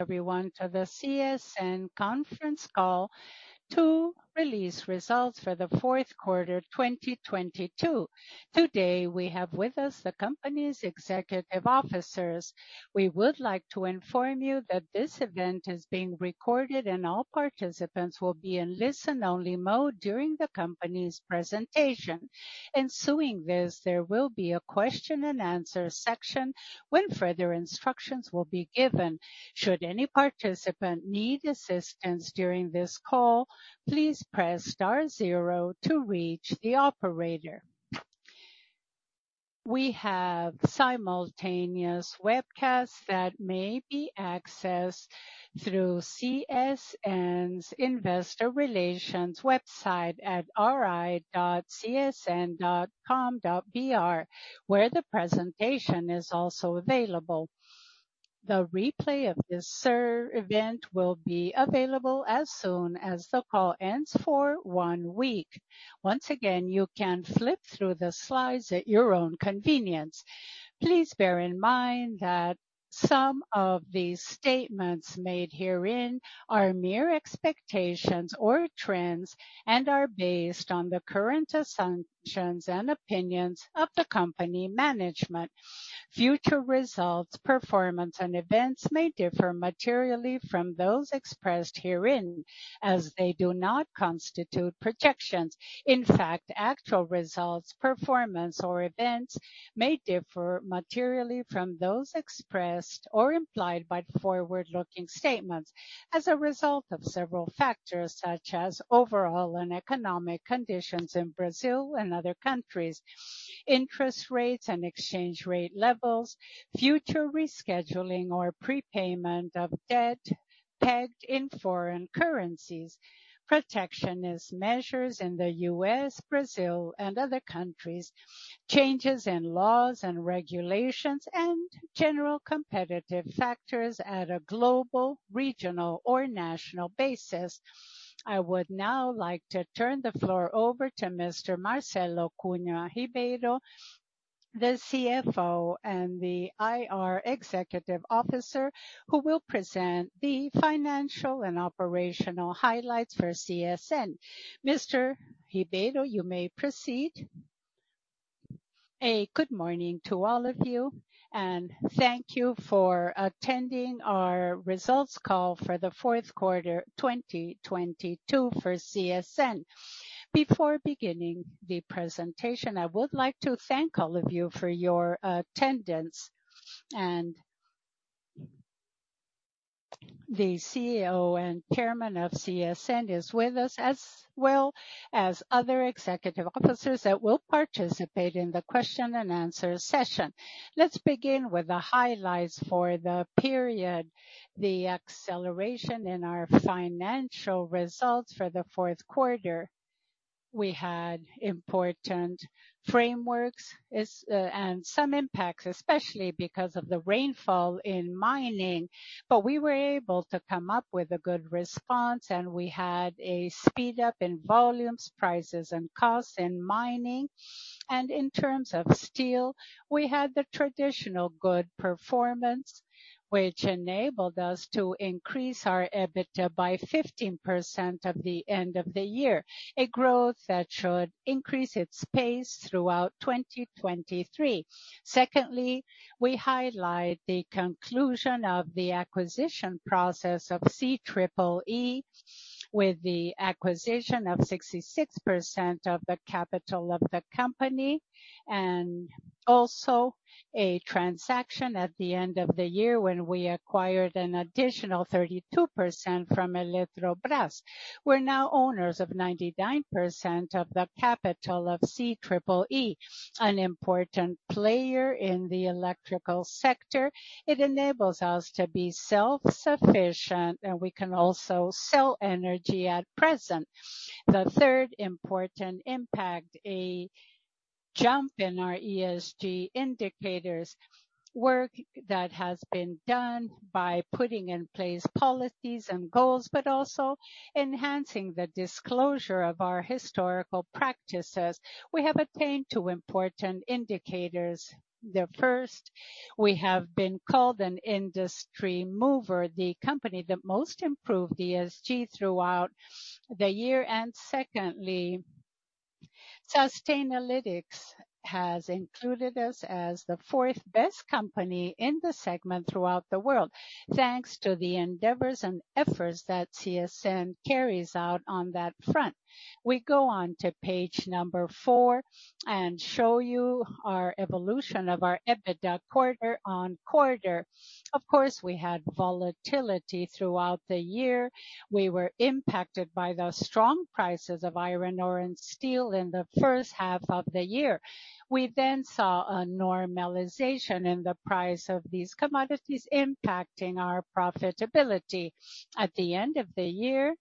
Everyone to the CSN conference call to release results for the fourth quarter 2022. Today, we have with us the company's executive officers. We would like to inform you that this event is being recorded and all participants will be in listen-only mode during the company's presentation. Ensuing this, there will be a question and answer section when further instructions will be given. Should any participant need assistance during this call, please press star zero to reach the operator. We have simultaneous webcast that may be accessed through CSN's investor relations website at ri.csn.com.br, where the presentation is also available. The replay of this serve event will be available as soon as the call ends for one week. Once again, you can flip through the slides at your own convenience. Please bear in mind that some of these statements made herein are mere expectations or trends and are based on the current assumptions and opinions of the company management. Future results, performance, and events may differ materially from those expressed herein as they do not constitute projections. In fact, actual results, performance, or events may differ materially from those expressed or implied by forward-looking statements as a result of several factors, such as overall and economic conditions in Brazil and other countries, interest rates and exchange rate levels, future rescheduling or prepayment of debt pegged in foreign currencies, protectionist measures in the U.S., Brazil, and other countries, changes in laws and regulations, and general competitive factors at a global, regional, or national basis. I would now like to turn the floor over to Mr. Marcelo Cunha Ribeiro, the CFO and the IR executive officer, who will present the financial and operational highlights for CSN. Mr. Ribeiro, you may proceed. A good morning to all of you. Thank you for attending our results call for the 4th quarter 2022 for CSN. Before beginning the presentation, I would like to thank all of you for your attendance. The CEO and Chairman of CSN is with us, as well as other executive officers that will participate in the question and answer session. Let's begin with the highlights for the period. The acceleration in our financial results for the 4th quarter. We had important frameworks and some impacts, especially because of the rainfall in mining. We were able to come up with a good response, and we had a speed up in volumes, prices, and costs in mining. In terms of steel, we had the traditional good performance, which enabled us to increase our EBITDA by 15% at the end of the year, a growth that should increase its pace throughout 2023. Secondly, we highlight the conclusion of the acquisition process of CEEE with the acquisition of 66% of the capital of the company. Also a transaction at the end of the year when we acquired an additional 32% from Eletrobras. We're now owners of 99% of the capital of CEEE, an important player in the electrical sector. It enables us to be self-sufficient, and we can also sell energy at present. The third important impact, a jump in our ESG indicators. Work that has been done by putting in place policies and goals, but also enhancing the disclosure of our historical practices. We have attained two important indicators. The first, we have been called an Industry Mover, the company that most improved ESG throughout the year. Secondly, Sustainalytics has included us as the fourth best company in the segment throughout the world, thanks to the endeavors and efforts that CSN carries out on that front. We go on to page number 4 and show you our evolution of our EBITDA quarter-on-quarter. Of course, we had volatility throughout the year. We were impacted by the strong prices of iron ore and steel in the first half of the year. We then saw a normalization in the price of these commodities impacting our profitability. At the end of the year,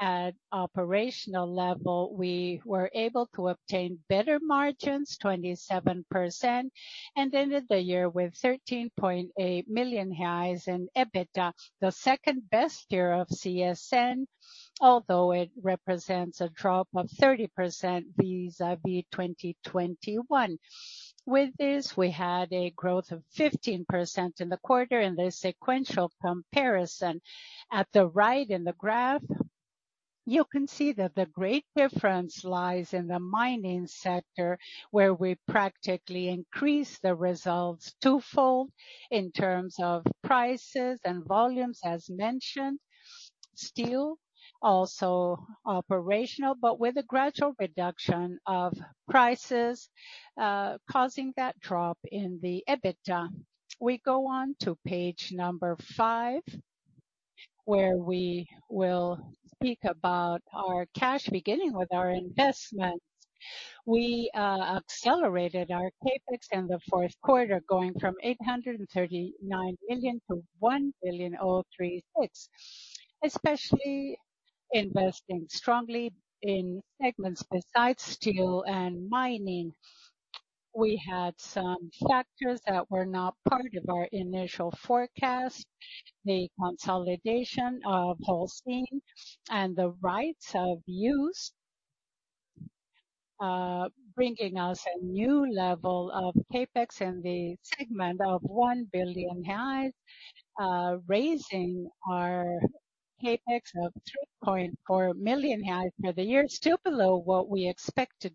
at operational level, we were able to obtain better margins, 27%, and ended the year with 13.8 million reais in EBITDA, the second best year of CSN, although it represents a drop of 30% vis-à-vis 2021. We had a growth of 15% in the quarter in the sequential comparison. At the right in the graph, you can see that the great difference lies in the mining sector, where we practically increase the results twofold in terms of prices and volumes as mentioned. Steel also operational, but with a gradual reduction of prices, causing that drop in the EBITDA. We go on to page five, where we will speak about our cash beginning with our investments. We accelerated our CapEx in the fourth quarter, going from 839 billion to 1.036 billion. Especially investing strongly in segments besides steel and mining. We had some factors that were not part of our initial forecast. The consolidation of Holcim and the rights of use, bringing us a new level of CapEx in the segment of 1 billion reais. Raising our CapEx of 3.4 million reais for the year, still below what we expect to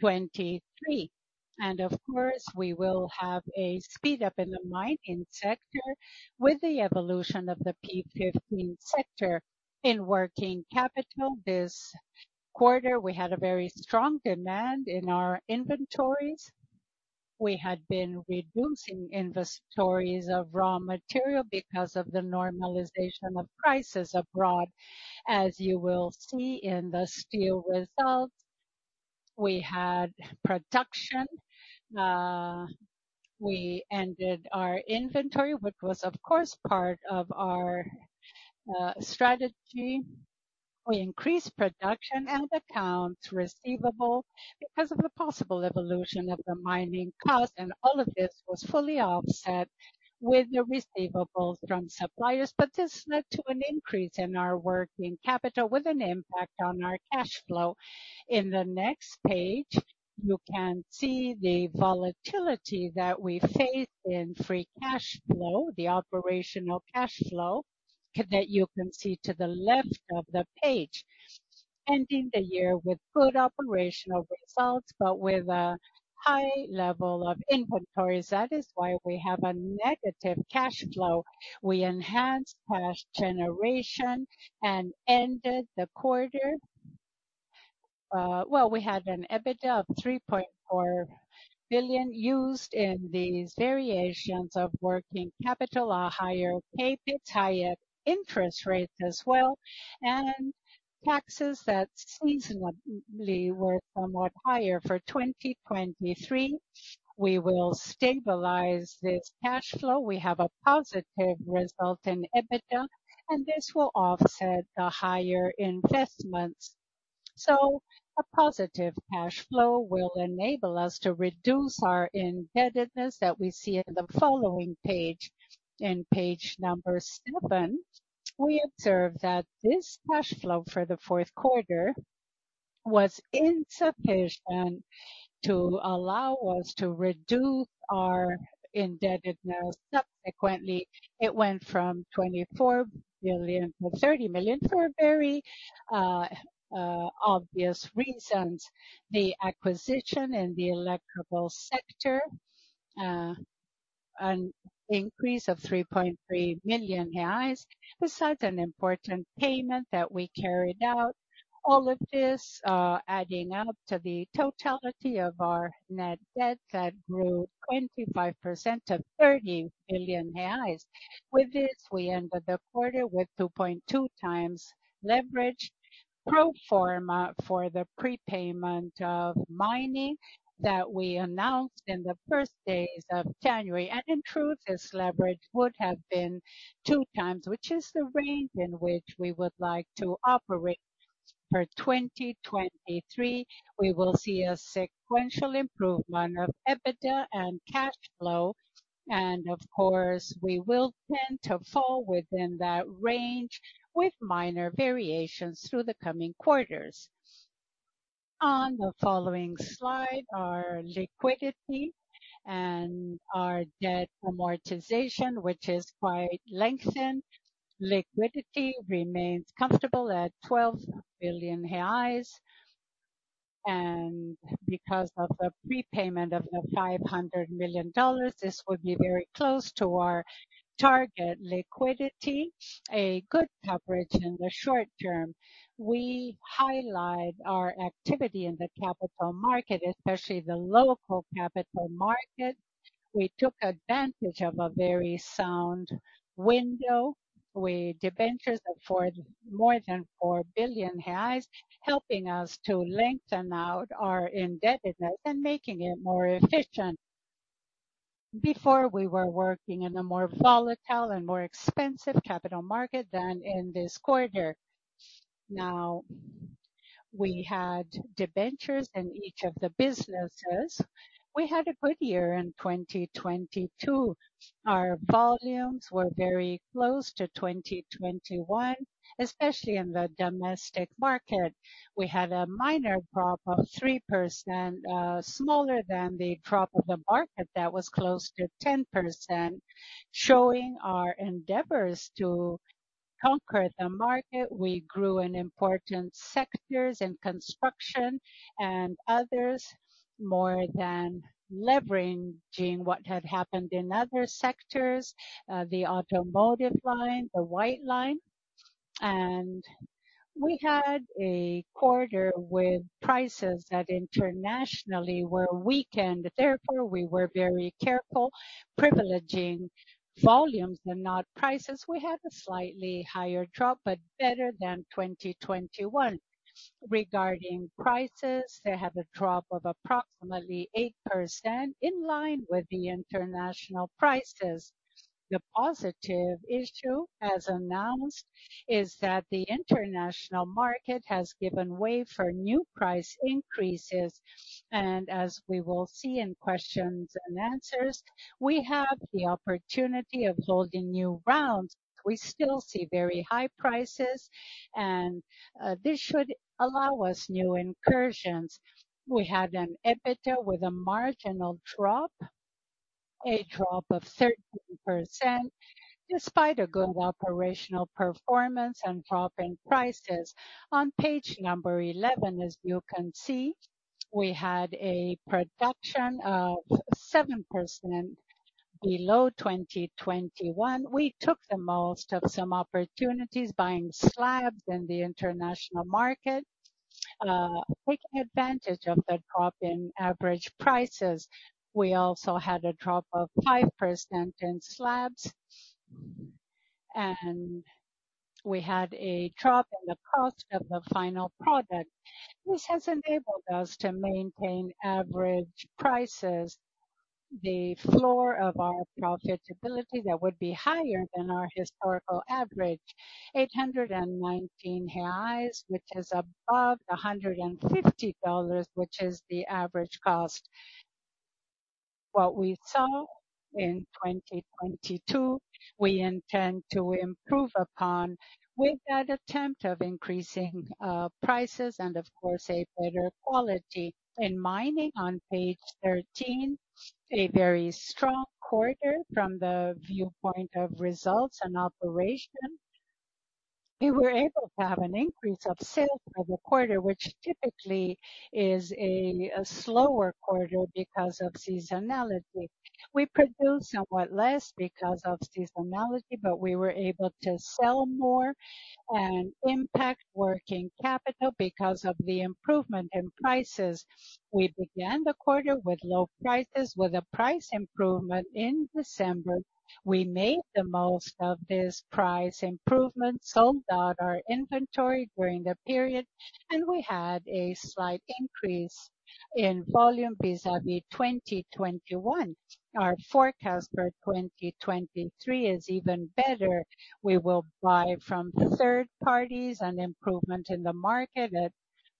do in 2023. Of course, we will have a speed up in the mining sector with the evolution of the P15 sector. In working capital this quarter, we had a very strong demand in our inventories. We had been reducing inventories of raw material because of the normalization of prices abroad. As you will see in the steel results, we had production. We ended our inventory, which was of course part of our strategy. We increased production and accounts receivable because of the possible evolution of the mining cost. All of this was fully offset with the receivables from suppliers. This led to an increase in our working capital with an impact on our cash flow. In the next page, you can see the volatility that we faced in free cash flow, the operational cash flow that you can see to the left of the page. Ending the year with good operational results, but with a high level of inventories. That is why we have a negative cash flow. We enhanced cash generation and ended the quarter... Well, we had an EBITDA of 3.4 billion used in these variations of working capital, a higher CapEx, higher interest rate as well, and taxes that seasonally were somewhat higher. 2023, we will stabilize this cash flow. We have a positive result in EBITDA. This will offset the higher investments. A positive cash flow will enable us to reduce our indebtedness that we see in the following page. In page number seven, we observe that this cash flow for the fourth quarter was insufficient to allow us to reduce our indebtedness. Subsequently, it went from 24 billion to 30 billion for very obvious reasons. The acquisition in the electric vehicle sector, an increase of 3.3 million reais. Besides an important payment that we carried out. All of this adding up to the totality of our net debt that grew 25% to 30 billion reais. With this, we ended the quarter with 2.2x leverage pro forma for the prepayment of mining that we announced in the first days of January. In truth, this leverage would have been 2x, which is the range in which we would like to operate for 2023. We will see a sequential improvement of EBITDA and cash flow. Of course, we will tend to fall within that range with minor variations through the coming quarters. On the following slide, our liquidity and our debt amortization, which is quite lengthened. Liquidity remains comfortable at BRL 12 billion. Because of the prepayment of the $500 million, this would be very close to our target liquidity. A good coverage in the short term. We highlight our activity in the capital market, especially the local capital market. We took advantage of a very sound window. We debentures of more than 4 billion reais, helping us to lengthen out our indebtedness and making it more efficient. Before, we were working in a more volatile and more expensive capital market than in this quarter. Now, we had debentures in each of the businesses. We had a good year in 2022. Our volumes were very close to 2021, especially in the domestic market. We had a minor drop of 3%, smaller than the drop of the market that was close to 10%, showing our endeavors to conquered the market. We grew in important sectors, in construction and others, more than leveraging what had happened in other sectors, the automotive line, the white line. We had a quarter with prices that internationally were weakened. Therefore, we were very careful privileging volumes and not prices. We had a slightly higher drop, but better than 2021. Regarding prices, they had a drop of approximately 8% in line with the international prices. The positive issue, as announced, is that the international market has given way for new price increases. As we will see in questions and answers, we have the opportunity of holding new rounds. We still see very high prices, and this should allow us new incursions. We had an EBITDA with a marginal drop, a drop of 13%, despite a good operational performance and drop in prices. On page number 11, as you can see, we had a production of 7% below 2021. We took the most of some opportunities buying slabs in the international market, taking advantage of the drop in average prices. We also had a drop of 5% in slabs, we had a drop in the cost of the final product, which has enabled us to maintain average prices. The floor of our profitability that would be higher than our historical average, 819 reais, which is above $150, which is the average cost. What we saw in 2022, we intend to improve upon with that attempt of increasing prices and of course, a better quality. In mining on page 13, a very strong quarter from the viewpoint of results and operation. We were able to have an increase of sales for the quarter, which typically is a slower quarter because of seasonality. We produced somewhat less because of seasonality. We were able to sell more and impact working capital because of the improvement in prices. We began the quarter with low prices. With a price improvement in December, we made the most of this price improvement, sold out our inventory during the period, and we had a slight increase in volume vis-à-vis 2021. Our forecast for 2023 is even better. We will buy from third parties an improvement in the market at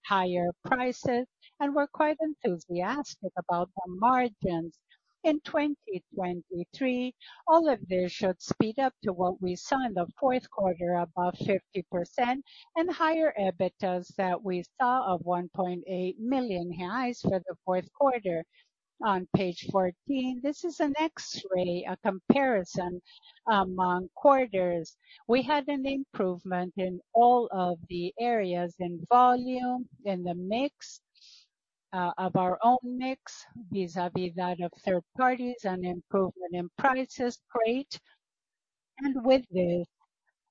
higher prices, and we're quite enthusiastic about the margins. In 2023, all of this should speed up to what we saw in the fourth quarter, above 50% and higher EBITDAs that we saw of 1.8 million for the fourth quarter. On page 14, this is an X-ray, a comparison among quarters. We had an improvement in all of the areas, in volume, in the mix of our own mix vis-à-vis that of third parties, an improvement in prices. Great. With this,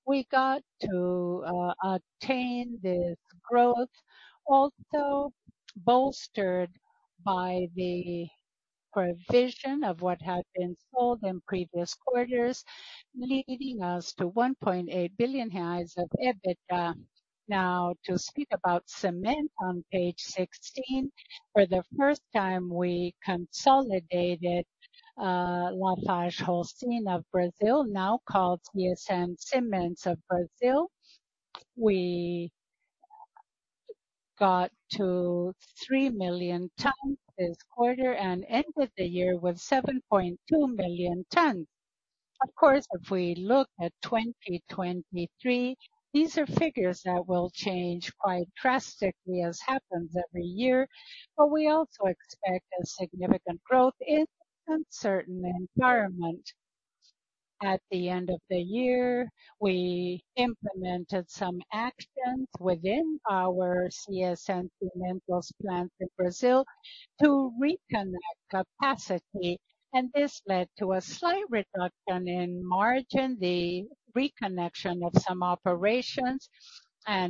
we got to attain this growth also bolstered by the provision of what had been sold in previous quarters, leading us to 1.8 billion reais of EBITDA. To speak about cement on page 16. For the first time, we consolidated LafargeHolcim Brasil, now called CSN Cimentos Brasil. We got to 3 million tons this quarter and ended the year with 7.2 million tons. Of course, if we look at 2023, these are figures that will change quite drastically, as happens every year. We also expect a significant growth in uncertain environment. At the end of the year, we implemented some actions within our CSN Cimentos plant in Brazil to reconnect capacity, and this led to a slight reduction in margin, the reconnection of some operations.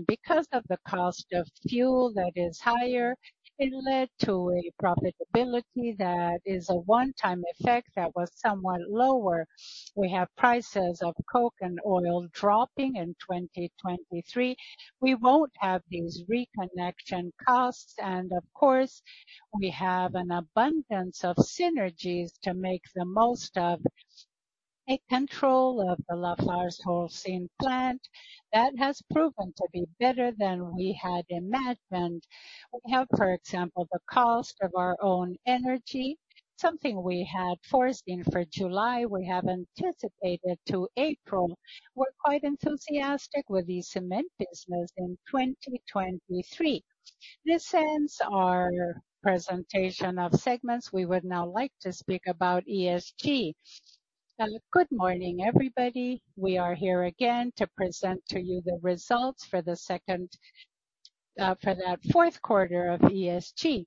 Because of the cost of fuel that is higher, it led to a profitability that is a one-time effect that was somewhat lower. We have prices of coke and oil dropping in 2023. We won't have these reconnection costs. Of course, we have an abundance of synergies to make the most of a control of the LafargeHolcim Plant. That has proven to be better than we had imagined. We have, for example, the cost of our own energy, something we had foreseen for July, we have anticipated to April. We're quite enthusiastic with the cement business in 2023. This ends our presentation of segments. We would now like to speak about ESG. Good morning, everybody. We are here again to present to you the results for that fourth quarter of ESG.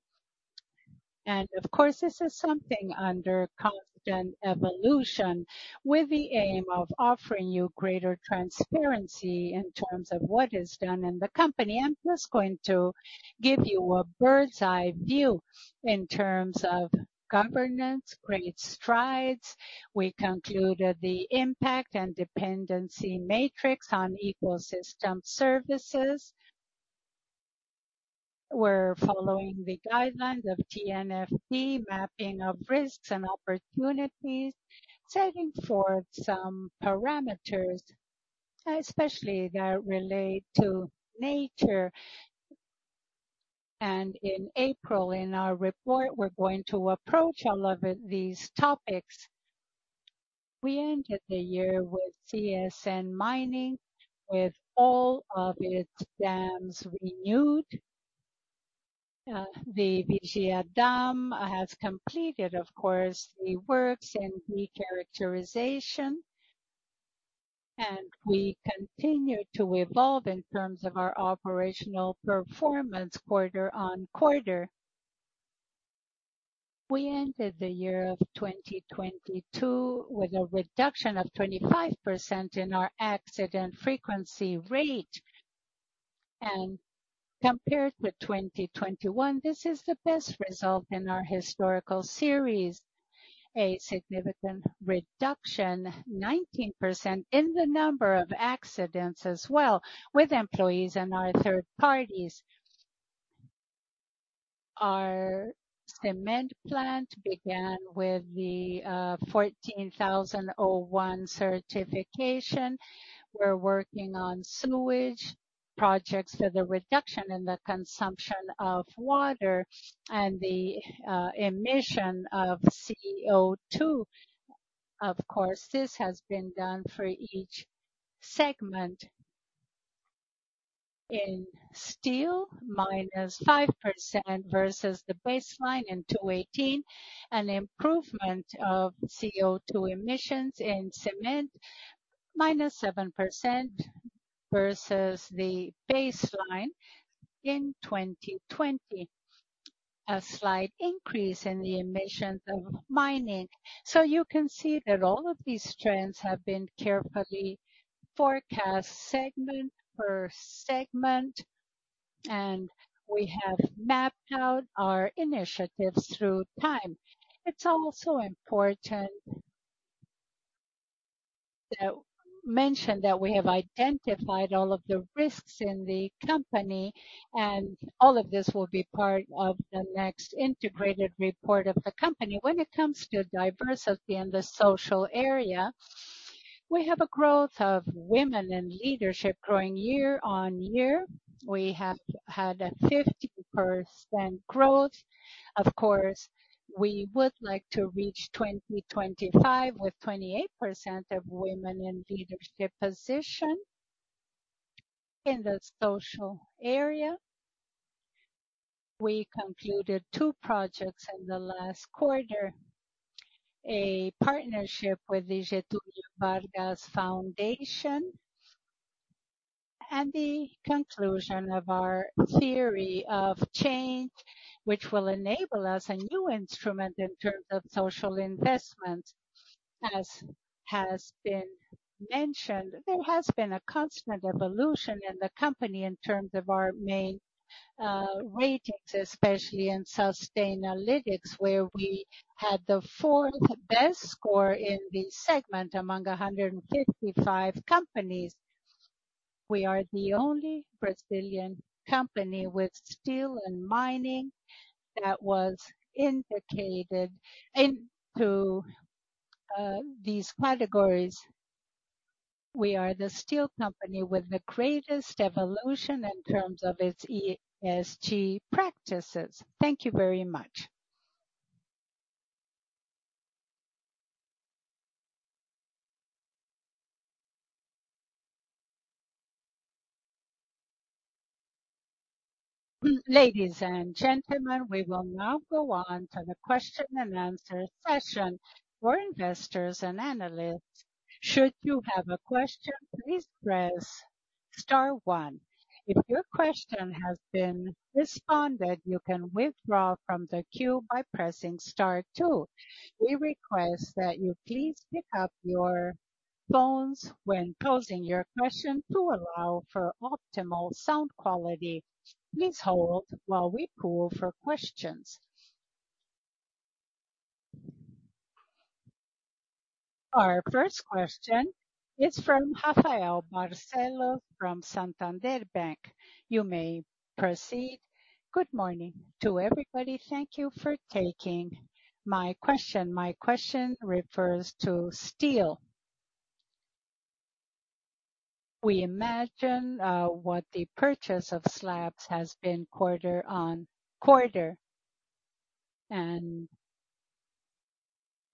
Of course, this is something under constant evolution with the aim of offering you greater transparency in terms of what is done in the company. I'm just going to give you a bird's-eye view in terms of governance, great strides. We concluded the impact and dependency matrix on ecosystem services. We're following the guidelines of TNFD, mapping of risks and opportunities, setting forth some parameters, especially that relate to nature. In April, in our report, we're going to approach all of these topics. We ended the year with CSN Mining with all of its dams renewed. The Vigia Dam has completed, of course, the works and recharacterization. We continue to evolve in terms of our operational performance quarter-on-quarter. We ended the year of 2022 with a reduction of 25% in our accident frequency rate. Compared with 2021, this is the best result in our historical series. A significant reduction, 19%, in the number of accidents as well with employees and our third parties. Our cement plant began with the ISO 14001 certification. We're working on sewage projects for the reduction in the consumption of water and the emission of CO2. Of course, this has been done for each segment. In steel, -5% versus the baseline in 2018. An improvement of CO2 emissions in cement, -7% versus the baseline in 2020. A slight increase in the emissions of mining. You can see that all of these trends have been carefully forecast segment per segment, and we have mapped out our initiatives through time. It's also important to mention that we have identified all of the risks in the company, and all of this will be part of the next integrated report of the company. When it comes to diversity in the social area, we have a growth of women in leadership growing year on year. We have had a 50% growth. Of course, we would like to reach 2025 with 28% of women in leadership position. In the social area, we concluded two projects in the last quarter. A partnership with the Getúlio Vargas Foundation and the conclusion of our theory of change, which will enable us a new instrument in terms of social investment. As has been mentioned, there has been a constant evolution in the company in terms of our main ratings, especially in Sustainalytics, where we had the fourth best score in the segment among 155 companies. We are the only Brazilian company with steel and mining that was indicated into these categories. We are the steel company with the greatest evolution in terms of its ESG practices. Thank you very much. Ladies and gentlemen, we will now go on to the question-and-answer session for investors and analysts. Should you have a question, please press star one. If your question has been responded, you can withdraw from the queue by pressing star two. We request that you please pick up your phones when posing your question to allow for optimal sound quality. Please hold while we poll for questions. Our first question is from Rafael Barcellos from Santander Bank. You may proceed. Good morning to everybody. Thank you for taking my question. My question refers to steel. We imagine what the purchase of slabs has been quarter on quarter.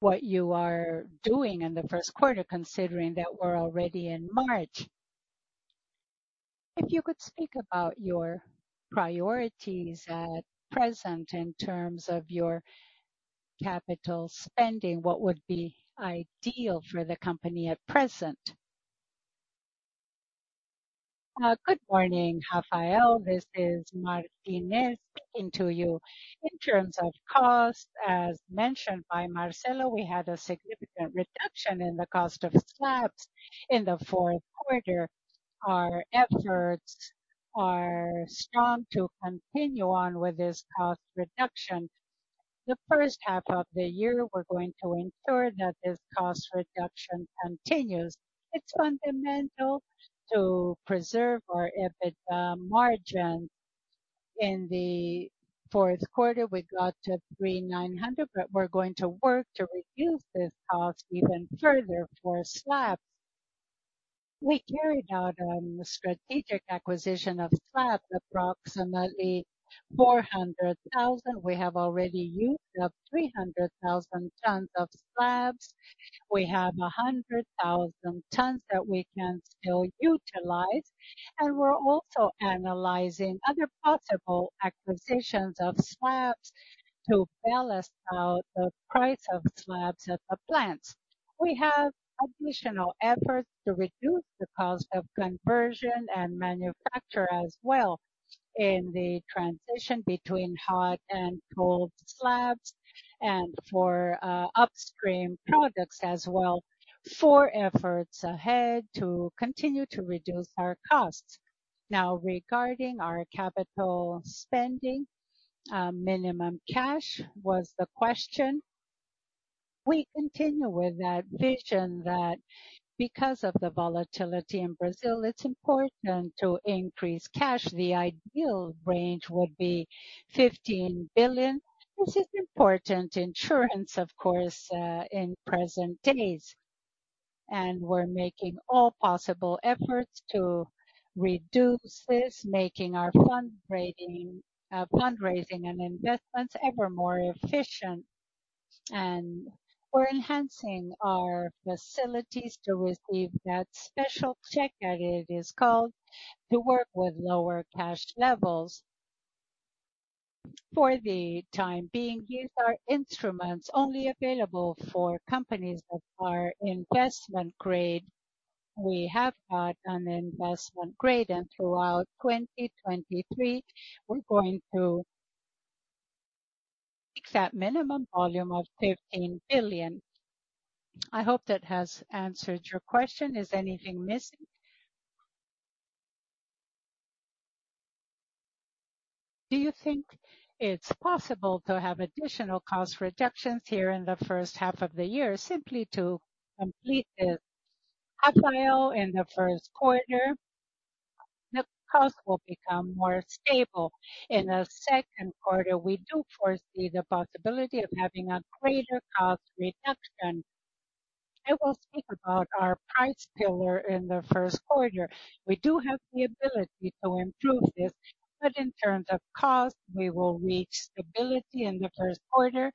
What you are doing in the first quarter, considering that we're already in March. If you could speak about your priorities at present in terms of your capital spending, what would be ideal for the company at present? Good morning, Rafael. This is Martinez speaking to you. In terms of cost, as mentioned by Marcelo, we had a significant reduction in the cost of slabs in the fourth quarter. Our efforts are strong to continue on with this cost reduction. The first half of the year, we're going to ensure that this cost reduction continues. It's fundamental to preserve our EBITDA margin. In the fourth quarter, we got to 3,900. We're going to work to reduce this cost even further for slabs. We carried out a strategic acquisition of slabs, approximately 400,000. We have already used up 300,000 tons of slabs. We have 100,000 tons that we can still utilize, and we're also analyzing other possible acquisitions of slabs to balance out the price of slabs at the plants. We have additional efforts to reduce the cost of conversion and manufacture as well in the transition between hot and cold slabs and for upstream products as well for efforts ahead to continue to reduce our costs. Regarding our capital spending, minimum cash was the question. We continue with that vision that because of the volatility in Brazil, it's important to increase cash. The ideal range would be 15 billion. This is important insurance, of course, in present days. We're making all possible efforts to reduce this, making our fundraising and investments ever more efficient. We're enhancing our facilities to receive that special check, as it is called, to work with lower cash levels. For the time being, these are instruments only available for companies that are investment grade. We have had an investment grade, and throughout 2023, we're going to fix that minimum volume of 15 billion. I hope that has answered your question. Is anything missing? Do you think it's possible to have additional cost reductions here in the first half of the year simply to complete this profile in the first quarter? The cost will become more stable. In the second quarter, we do foresee the possibility of having a greater cost reduction. I will speak about our price pillar in the first quarter. We do have the ability to improve this. In terms of cost, we will reach stability in the first quarter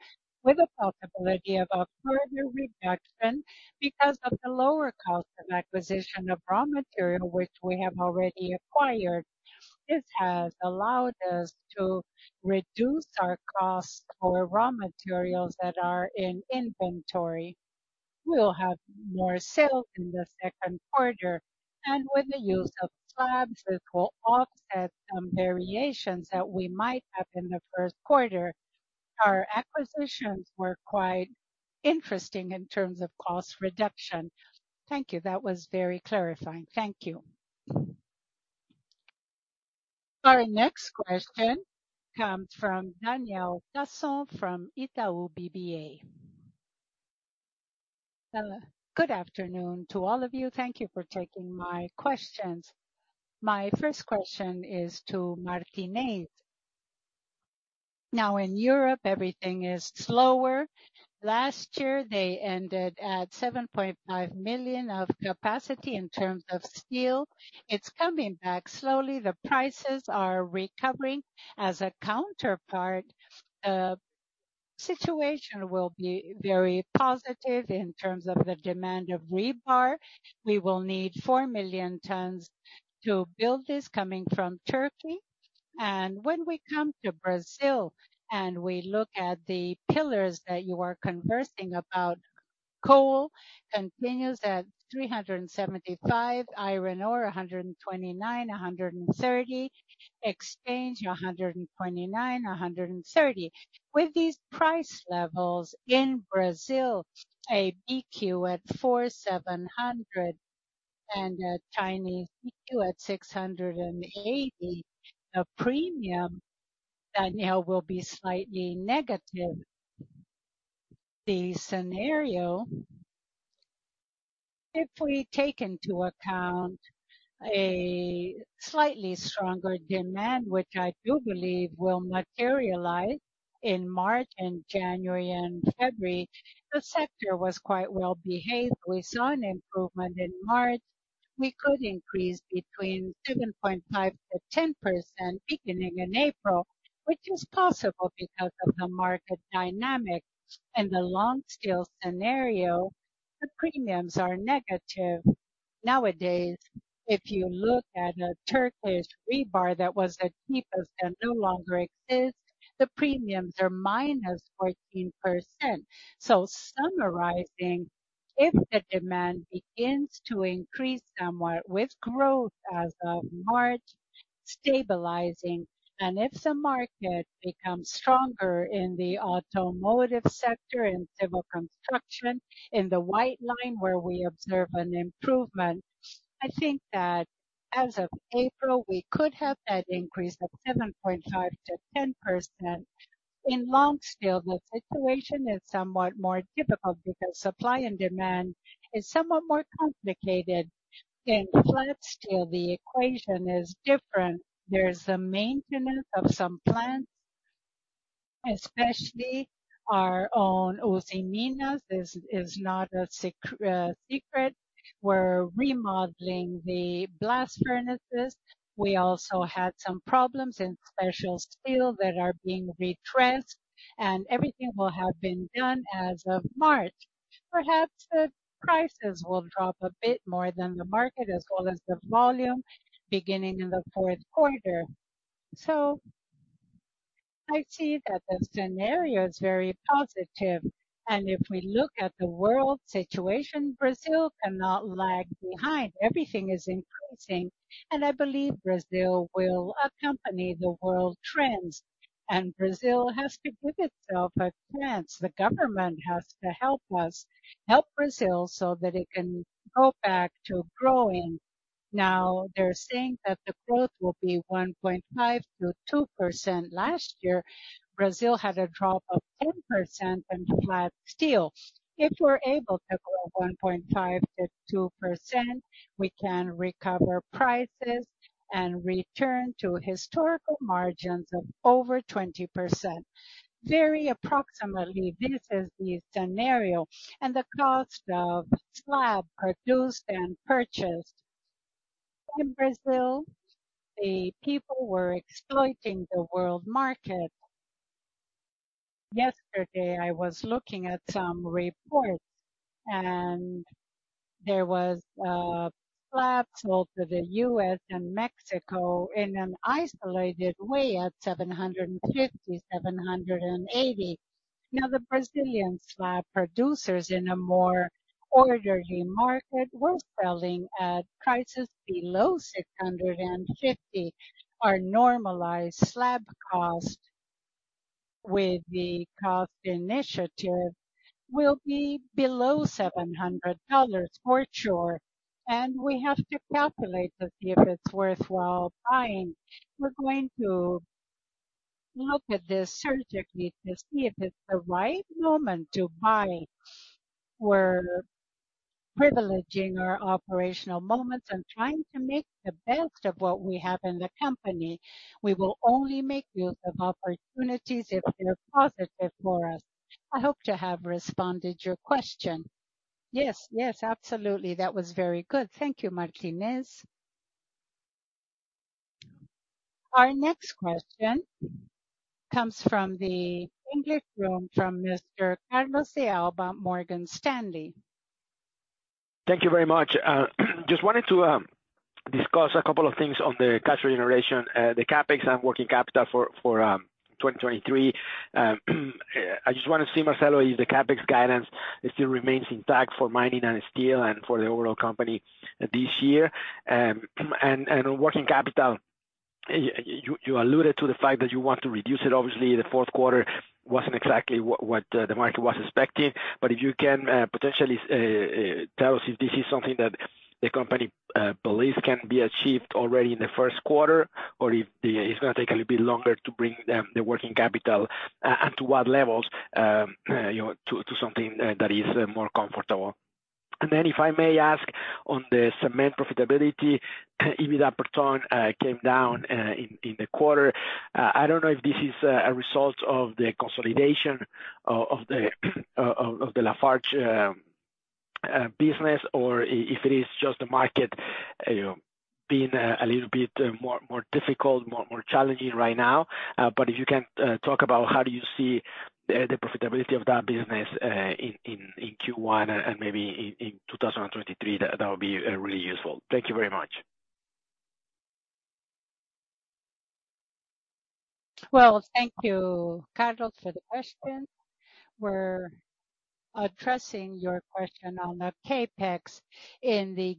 with a possibility of a further reduction because of the lower cost of acquisition of raw material, which we have already acquired. This has allowed us to reduce our cost for raw materials that are in inventory. We'll have more sales in the second quarter, with the use of slabs, this will offset some variations that we might have in the first quarter. Our acquisitions were quite interesting in terms of cost reduction. Thank you. That was very clarifying. Thank you. Our next question comes from Daniel Sasson from Itaú BBA. Good afternoon to all of you. Thank you for taking my questions. My first question is to Martinez. In Europe, everything is slower. Last year, they ended at 7.5 million of capacity in terms of steel. It's coming back slowly. The prices are recovering. As a counterpart, situation will be very positive in terms of the demand of rebar. We will need 4 million tons to build this coming from Turkey. When we come to Brazil and we look at the pillars that you are conversing about, coal continues at 375, iron ore 129-130, exchange 129-130. With these price levels in Brazil, a BQ at 4,700 and a Chinese BQ at 680, a premium that now will be slightly negative. The scenario, if we take into account a slightly stronger demand, which I do believe will materialize in March and January and February, the sector was quite well behaved. We saw an improvement in March. We could increase between 7.5%-10% beginning in April, which is possible because of the market dynamic. In the long steel scenario, the premiums are negative. Nowadays, if you look at a Turkish rebar that was the cheapest and no longer exists, the premiums are minus 14%. Summarizing, if the demand begins to increase somewhat with growth as of March stabilizing, and if the market becomes stronger in the automotive sector, in civil construction, in the white line where we observe an improvement, I think that as of April, we could have that increase of 7.5%-10%. In long steel, the situation is somewhat more difficult because supply and demand is somewhat more complicated. In flat steel, the equation is different. There's a maintenance of some plants, especially our own Usiminas is not a secret. We're remodeling the blast furnaces. We also had some problems in special steel that are being redressed, and everything will have been done as of March. Perhaps the prices will drop a bit more than the market as well as the volume beginning in the fourth quarter. I see that the scenario is very positive. If we look at the world situation, Brazil cannot lag behind. Everything is increasing, and I believe Brazil will accompany the world trends. Brazil has to give itself a chance. The government has to help us, help Brazil, so that it can go back to growing. They're saying that the growth will be 1.5%-2%. Last year, Brazil had a drop of 10% in flat steel. If we're able to grow 1.5%-2%, we can recover prices and return to historical margins of over 20%. Very approximately, this is the scenario and the cost of slab produced and purchased. In Brazil, the people were exploiting the world market. Yesterday, I was looking at some reports, and there was slabs sold to the U.S. and Mexico in an isolated way at $750-$780. The Brazilian slab producers in a more orderly market were selling at prices below $650. Our normalized slab cost with the cost initiative will be below $700 for sure, and we have to calculate to see if it's worthwhile buying. We're going to look at this surgically to see if it's the right moment to buy. We're privileging our operational moments and trying to make the best of what we have in the company. We will only make use of opportunities if they're positive for us. I hope to have responded your question. Yes. Yes. Absolutely. That was very good. Thank you, Martinez. Our next question comes from the English room from Mr. Carlos de Alba, Morgan Stanley. Thank you very much. just wanted to discuss a couple of things on the cash generation, the CapEx and working capital for 2023. I just wanna see, Marcelo, if the CapEx guidance still remains intact for mining and steel and for the overall company this year. Working capital, you alluded to the fact that you want to reduce it. Obviously, the fourth quarter wasn't exactly what the market was expecting. If you can potentially tell us if this is something that the company believes can be achieved already in the first quarter, or if it's gonna take a little bit longer to bring them the working capital, and to what levels, you know, to something that is more comfortable. If I may ask on the cement profitability, EBIT per ton came down in the quarter. I don't know if this is a result of the consolidation of the Lafarge business or if it is just the market, you know, being a little bit more difficult, more challenging right now. If you can talk about how do you see the profitability of that business in Q1 and maybe in 2023, that would be really useful. Thank you very much. Well, thank you, Carlos, for the question. We're addressing your question on the CapEx. In the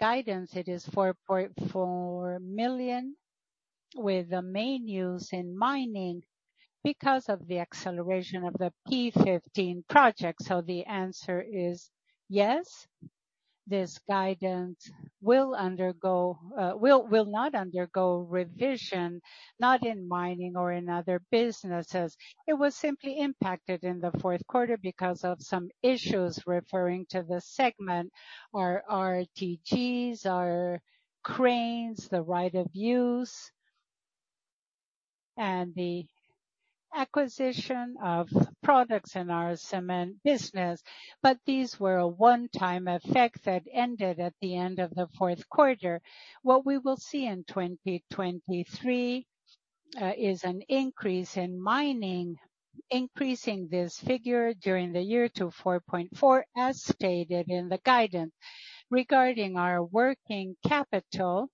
guidance it is 4.4 million with the main use in mining because of the acceleration of the P15 project. The answer is yes. This guidance will not undergo revision, not in mining or in other businesses. It was simply impacted in the fourth quarter because of some issues referring to the segment. Our RTGs, our cranes, the right of use and the acquisition of products in our cement business. These were a one-time effect that ended at the end of the fourth quarter. What we will see in 2023 is an increase in mining, increasing this figure during the year to 4.4, as stated in the guidance. Regarding our working capital,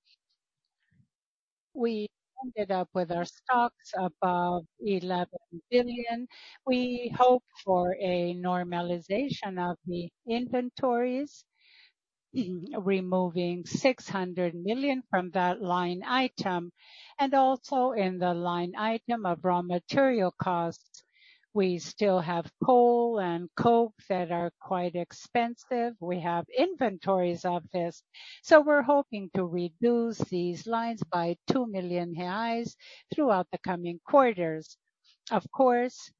we ended up with our stocks above 11 billion. We hope for a normalization of the inventories, removing 600 million from that line item and also in the line item of raw material costs. We still have coal and petcoke that are quite expensive. We have inventories of this, so we're hoping to reduce these lines by 2 million reais throughout the coming quarters. Of course,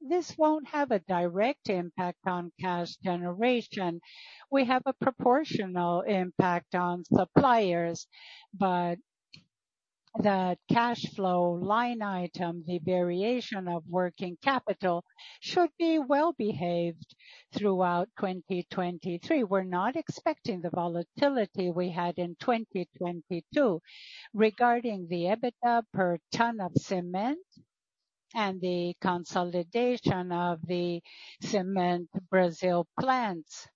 this won't have a direct impact on cash generation. We have a proportional impact on suppliers, but the cash flow line item, the variation of working capital should be well behaved throughout 2023. We're not expecting the volatility we had in 2022. Regarding the EBITDA per ton of cement and the consolidation of the CSN Cimentos Brasil plants,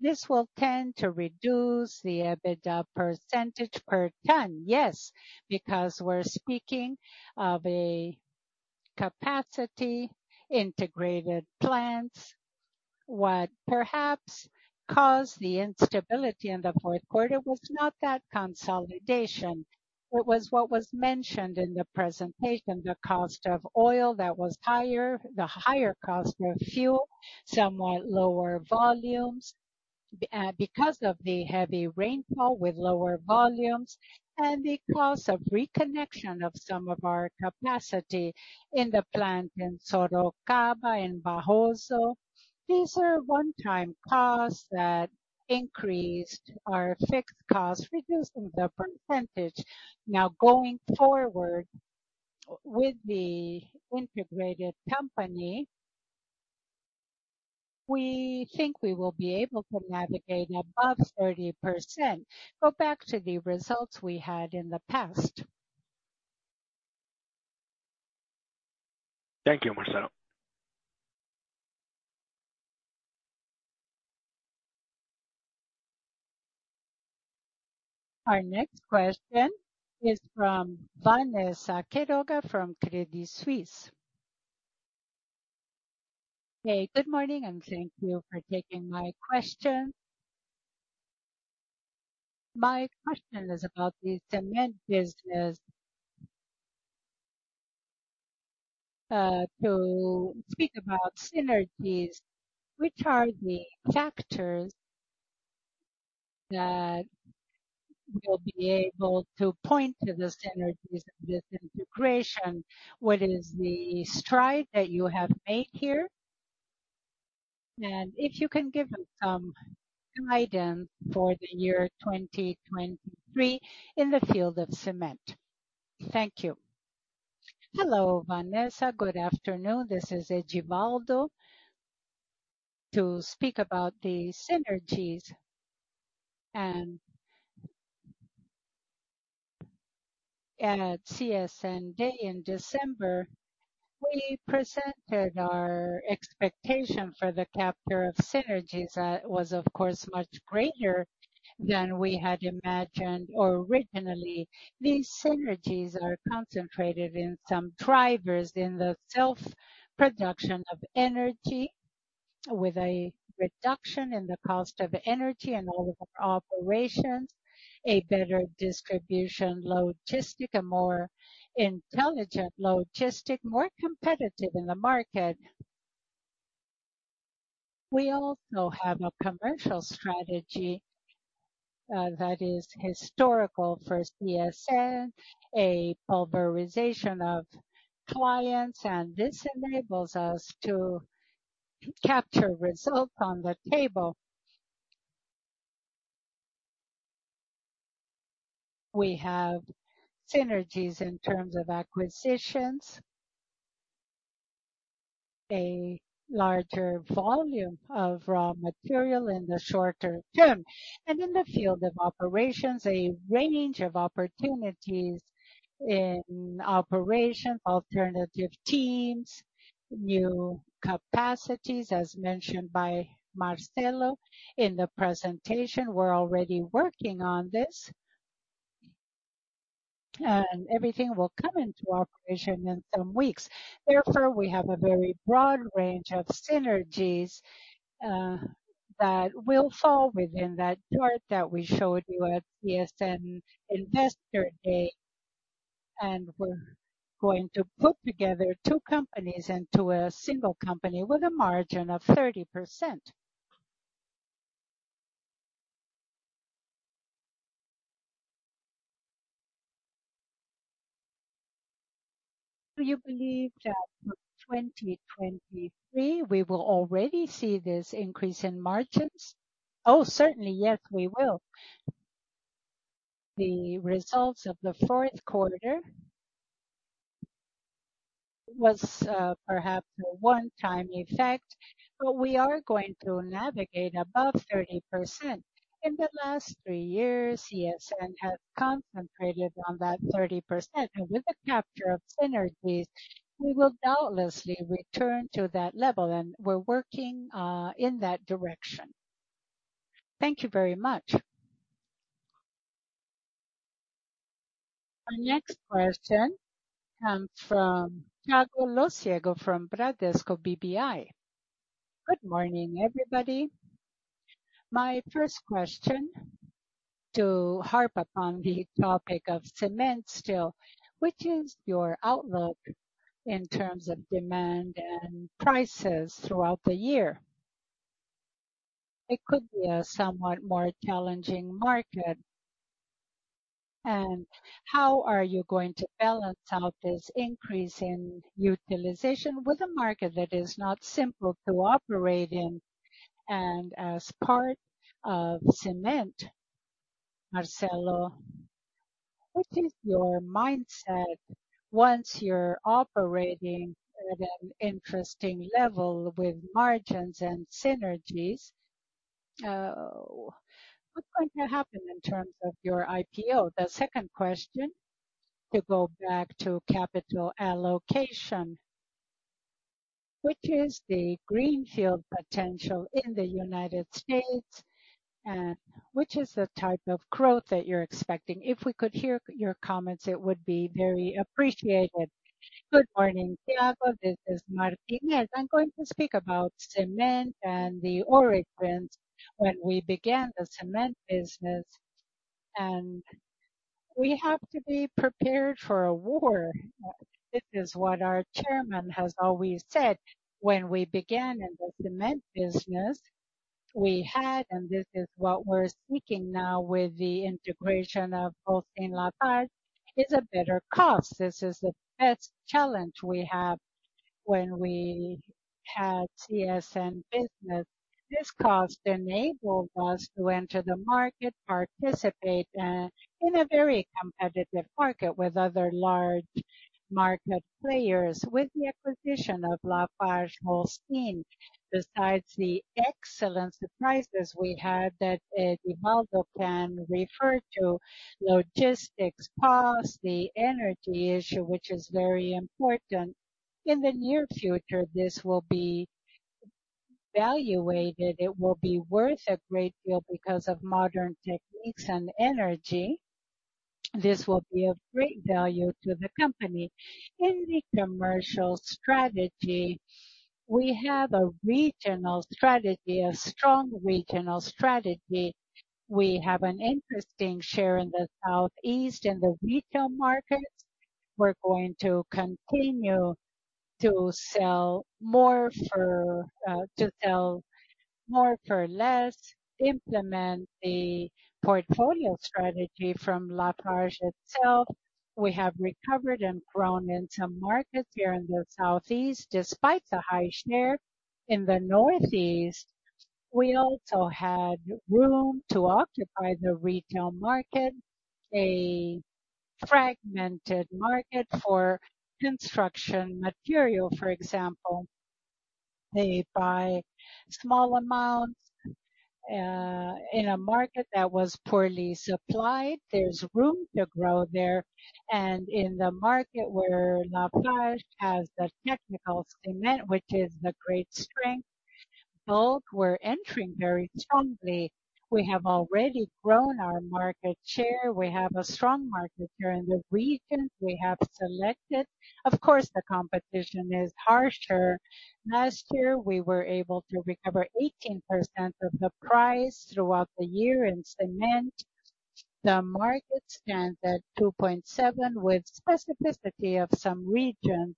this will tend to reduce the EBITDA percentage per ton. Yes, because we're speaking of a capacity integrated plants. What perhaps caused the instability in the fourth quarter was not that consolidation. It was what was mentioned in the presentation, the cost of oil that was higher, the higher cost of fuel, somewhat lower volumes, because of the heavy rainfall with lower volumes and the cost of reconnection of some of our capacity in the plant in Sorocaba, in Barroso. These are one-time costs that increased our fixed costs, reducing the percentage. Now going forward with the integrated company, we think we will be able to navigate above 30%. Go back to the results we had in the past. Thank you, Marcelo. Our next question is from Vanessa Quiroga from Credit Suisse. Hey, good morning and thank you for taking my question. My question is about the cement business. To speak about synergies, which are the factors that will be able to point to the synergies of this integration. What is the stride that you have made here? If you can give some guidance for the year 2023 in the field of cement. Thank you. Hello, Vanessa. Good afternoon. This is Egivaldo. To speak about the synergies and at CSN Day in December, we presented our expectation for the capture of synergies that was of course much greater than we had imagined originally. These synergies are concentrated in some drivers in the self-production of energy with a reduction in the cost of energy and all of our operations, a better distribution logistic, a more intelligent logistic, more competitive in the market. We also have a commercial strategy that is historical for CSN, a pulverization of clients. This enables us to capture results on the table. We have synergies in terms of acquisitions. A larger volume of raw material in the shorter term. In the field of operations, a range of opportunities in operations, alternative teams, new capacities, as mentioned by Marcelo in the presentation. We're already working on this. Everything will come into operation in some weeks. Therefore, we have a very broad range of synergies that will fall within that chart that we showed you at CSN Investor Day. We're going to put together 2 companies into a single company with a margin of 30%. Do you believe that for 2023 we will already see this increase in margins? Oh, certainly. Yes, we will. The results of the fourth quarter was perhaps a one-time effect, but we are going to navigate above 30%. In the last 3 years, CSN has concentrated on that 30%. With the capture of synergies, we will doubtlessly return to that level, and we're working in that direction. Thank you very much. Our next question comes from Thiago Lofiego from Bradesco BBI. Good morning, everybody. My first question, to harp upon the topic of cement still. Which is your outlook in terms of demand and prices throughout the year? It could be a somewhat more challenging market. How are you going to balance out this increase in utilization with a market that is not simple to operate in? As part of cement, Marcelo, what is your mindset once you're operating at an interesting level with margins and synergies? What's going to happen in terms of your IPO? The second question, to go back to capital allocation, which is the greenfield potential in the United States, which is the type of growth that you're expecting? If we could hear your comments, it would be very appreciated. Good morning, Thiago. This is Martinez. I'm going to speak about cement and the origins when we began the cement business, we have to be prepared for a war. This is what our chairman has always said. When we began in the cement business, we had, this is what we're seeking now with the integration of Holcim Lafarge, is a better cost. This is the best challenge we have when we had CSN business. This cost enabled us to enter the market, participate in a very competitive market with other large market players. With the acquisition of Lafarge Holcim, besides the excellent surprises we had that Egivaldo can refer to, logistics, cost, the energy issue, which is very important. In the near future, this will be valuated. It will be worth a great deal because of modern techniques and energy. This will be of great value to the company. In the commercial strategy, we have a regional strategy, a strong regional strategy. We have an interesting share in the Southeast in the retail market. We're going to continue to sell more for less, implement the portfolio strategy from Lafarge itself. We have recovered and grown in some markets here in the Southeast, despite the high share. In the Northeast, we also hadg room to occupy the retail market, a fragmented market for construction material, for example. They buy small amounts in a market that was poorly supplied. There's room to grow there. In the market where Lafarge has the technical cement, which is the great strength, bulk, we're entering very strongly. We have already grown our market share. We have a strong market here in the region we have selected. Of course, the competition is harsher. Last year, we were able to recover 18% of the price throughout the year in cement. The market stands at 2.7, with specificity of some regions.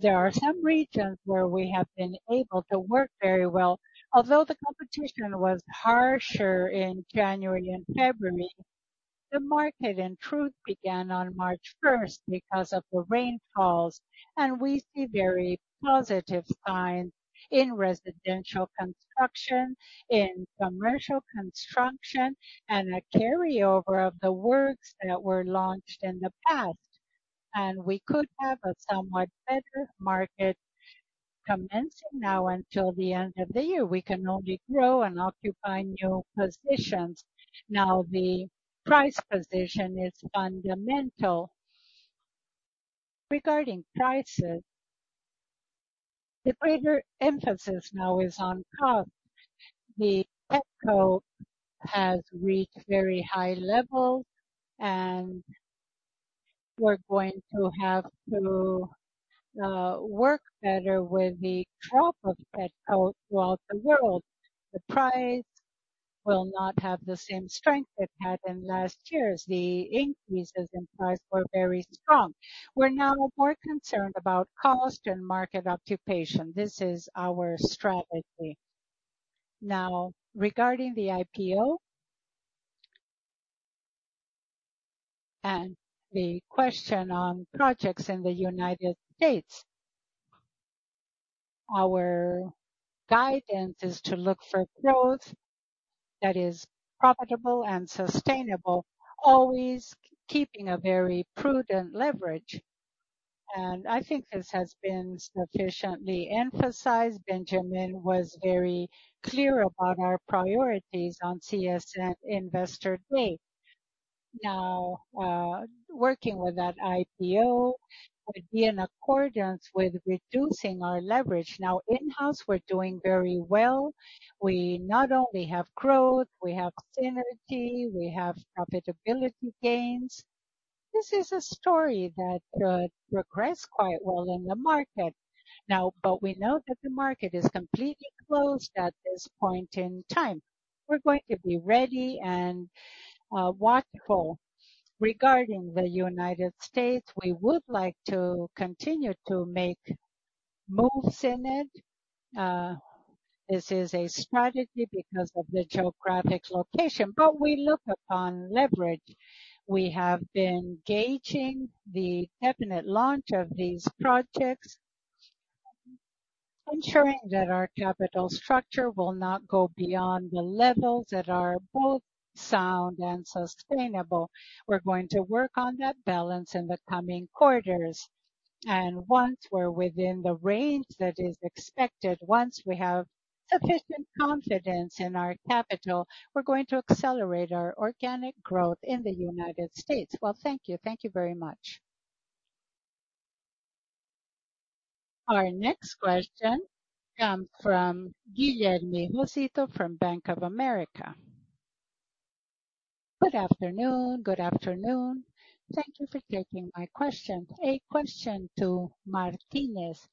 There are some regions where we have been able to work very well. Although the competition was harsher in January and February, the market, in truth, began on March first because of the rainfalls. We see very positive signs in residential construction, in commercial construction, and a carryover of the works that were launched in the past. We could have a somewhat better market commencing now until the end of the year. We can only grow and occupy new positions. The price position is fundamental. Regarding prices, the greater emphasis now is on cost. The Petcoke has reached very high levels, and we're going to have to work better with the crop of Petcoke throughout the world. The price will not have the same strength it had in last year, as the increases in price were very strong. We're now more concerned about cost and market occupation. This is our strategy. Regarding the IPO. The question on projects in the United States. Our guidance is to look for growth that is profitable and sustainable, always keeping a very prudent leverage. I think this has been sufficiently emphasized. Benjamin was very clear about our priorities on CSN Day. Working with that IPO would be in accordance with reducing our leverage. In-house, we're doing very well. We not only have growth, we have synergy, we have profitability gains. This is a story that could progress quite well in the market. We know that the market is completely closed at this point in time. We're going to be ready and watchful. Regarding the United States, we would like to continue to make moves in it. This is a strategy because of the geographic location, but we look upon leverage. We have been gauging the definite launch of these projects, ensuring that our capital structure will not go beyond the levels that are both sound and sustainable. We're going to work on that balance in the coming quarters. Once we're within the range that is expected, once we have sufficient confidence in our capital, we're going to accelerate our organic growth in the United States. Thank you. Thank you very much. Our next question comes from Guilherme Rosito from Bank of America. Good afternoon. Good afternoon. Thank you for taking my question. A question to Martinez.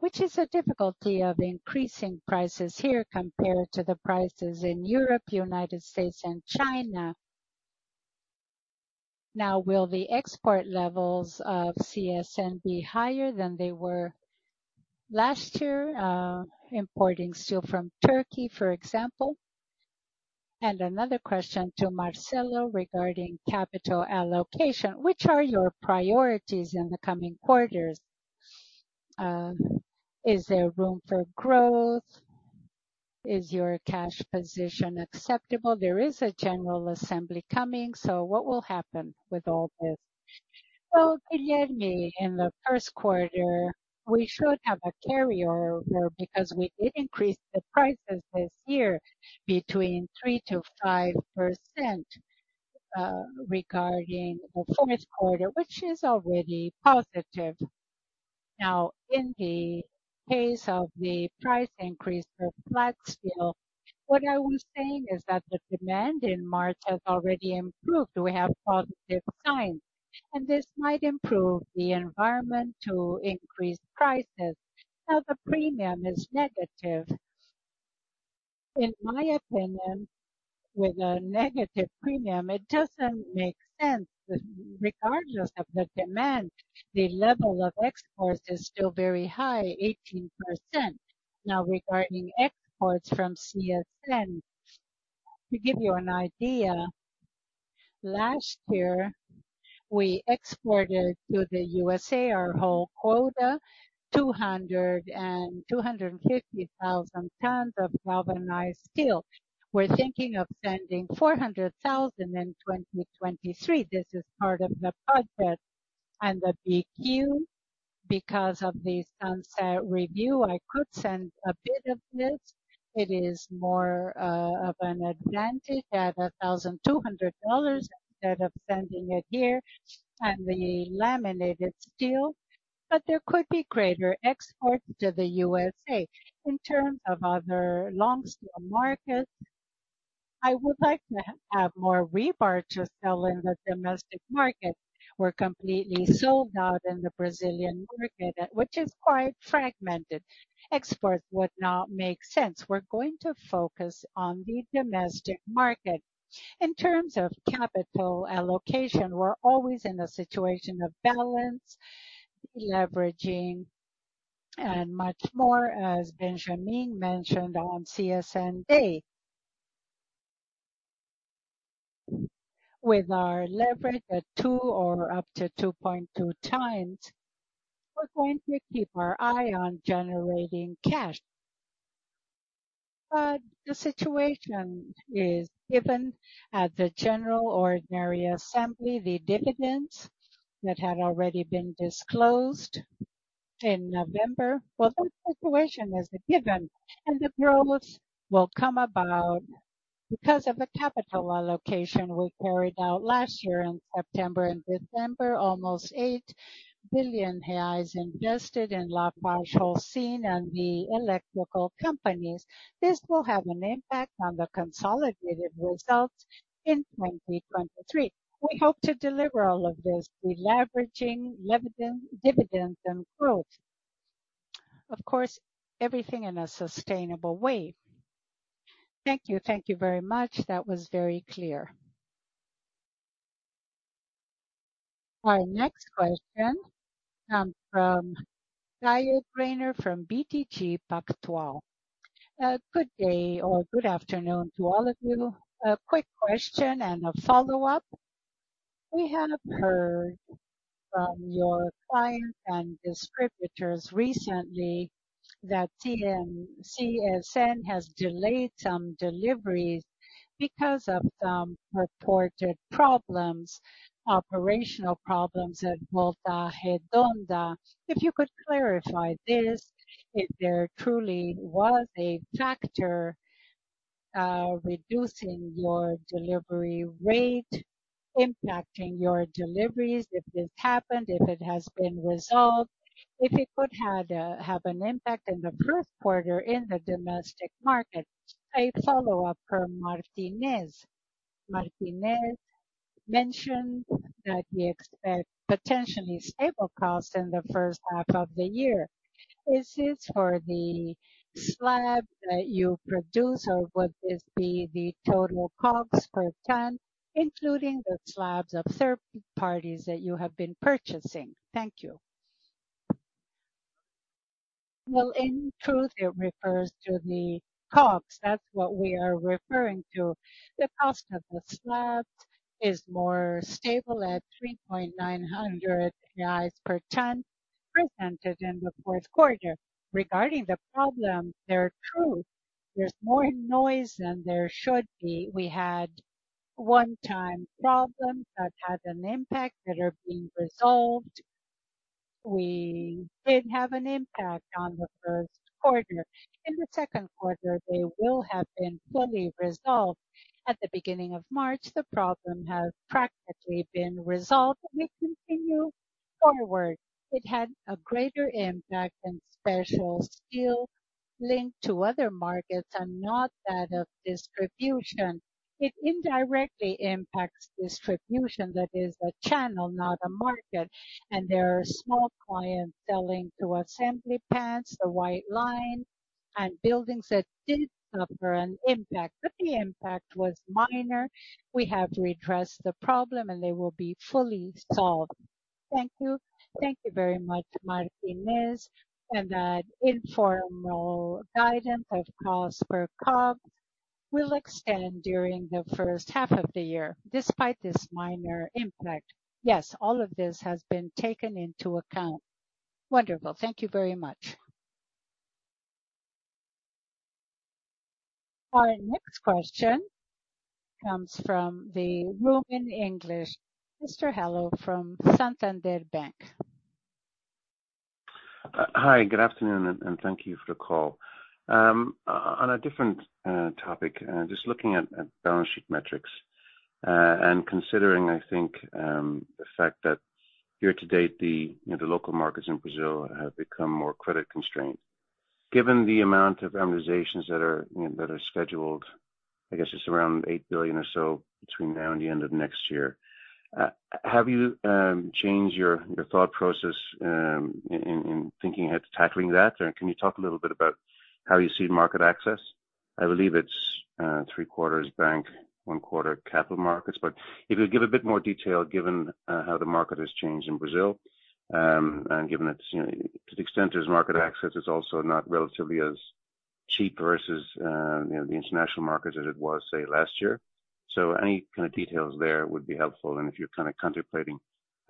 Which is the difficulty of increasing prices here compared to the prices in Europe, United States and China. Now, will the export levels of CSN be higher than they were last year, importing steel from Turkey, for example? Another question to Marcelo regarding capital allocation. Which are your priorities in the coming quarters? Is there room for growth? Is your cash position acceptable? There is a general assembly coming, so what will happen with all this? Well, Guilherme, in the first quarter, we should have a carryover because we did increase the prices this year between 3%-5%, regarding the fourth quarter, which is already positive. In the case of the price increase for flat steel, what I was saying is that the demand in March has already improved. We have positive signs, and this might improve the environment to increase prices. The premium is negative. In my opinion, with a negative premium, it doesn't make sense. Regardless of the demand, the level of exports is still very high, 18%. Regarding exports from CSN, to give you an idea, last year, we exported to the U.S.A our whole quota, 250,000 tons of galvanized steel. We're thinking of sending 400,000 in 2023. This is part of the project and the BQ. Of the sunset review, I could send a bit of this. It is more of an advantage at $1,200 instead of sending it here and the laminated steel. There could be greater exports to the U.S.A. In terms of other long steel markets, I would like to have more rebar to sell in the domestic market. We're completely sold out in the Brazilian market, which is quite fragmented. Exports would not make sense. We're going to focus on the domestic market. In terms of capital allocation, we're always in a situation of balance, leveraging, and much more, as Benjamin mentioned on CSN Day. With our leverage at 2 or up to 2.2 times, we're going to keep our eye on generating cash. The situation is given at the Ordinary General Meeting, the dividends that had already been disclosed in November. That situation is a given, the growth will come about because of a capital allocation we carried out last year in September and December, almost 8 billion reais invested in Lafarge Holcim and the electrical companies. This will have an impact on the consolidated results in 2023. We hope to deliver all of this deleveraging, dividends and growth. Of course, everything in a sustainable way. Thank you. Thank you very much. That was very clear. Our next question comes from Gaelle Rainer from BTG Pactual. Good day or good afternoon to all of you. A quick question and a follow-up. We have heard from your clients and distributors recently that CSN has delayed some deliveries because of some reported problems, operational problems at Volta Redonda. If you could clarify this, if there truly was a factor, reducing your delivery rate, impacting your deliveries, if this happened, if it has been resolved, if it could have an impact in the first quarter in the domestic market. A follow-up for Martinez. Martinez mentioned that you expect potentially stable costs in the first half of the year. Is this for the slab that you produce, or would this be the total COGS per ton, including the slabs of third parties that you have been purchasing? Thank you. Well, in truth, it refers to the COGS. That's what we are referring to. The cost of the slabs is more stable at 3,900 reais per ton presented in the fourth quarter. Regarding the problem, they're true. There's more noise than there should be. We had one-time problems that had an impact that are being resolved. We did have an impact on the first quarter. In the second quarter, they will have been fully resolved. At the beginning of March, the problem has practically been resolved. We continue forward. It had a greater impact in special steel linked to other markets and not that of distribution. It indirectly impacts distribution, that is a channel, not a market. There are small clients selling to assembly plants, the white line and buildings that did suffer an impact, but the impact was minor. We have redressed the problem and they will be fully solved. Thank you. Thank you very much, Martinez. That informal guidance of cost per COG will extend during the first half of the year despite this minor impact. Yes, all of this has been taken into account. Wonderful. Thank you very much. Our next question comes from the room in English. Mr. Hallow from Santander Bank. Hi, good afternoon, and thank you for the call. On a different topic, just looking at balance sheet metrics, and considering, I think, the fact that year to date, you know, the local markets in Brazil have become more credit constrained. Given the amount of amortizations that are, you know, that are scheduled, I guess it's around 8 billion or so between now and the end of next year. Have you changed your thought process in thinking ahead to tackling that? Can you talk a little bit about how you see market access? I believe it's three-quarters bank, one quarter capital markets. If you could give a bit more detail, given how the market has changed in Brazil, and given it's, you know, to the extent as market access is also not relatively as cheap versus, you know, the international markets as it was, say, last year. Any kind of details there would be helpful and if you're kind of contemplating